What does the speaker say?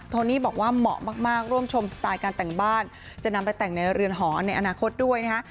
โนี่บอกว่าเหมาะมากร่วมชมสไตล์การแต่งบ้านจะนำไปแต่งในเรือนหอในอนาคตด้วยนะฮะ